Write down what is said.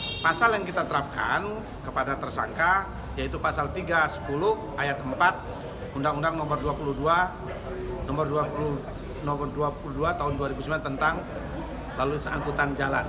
ya pasal yang kita terapkan kepada tersangka yaitu pasal tiga sepuluh ayat empat undang undang nomor dua puluh dua tahun dua ribu sembilan tentang lalu seangkutan jalan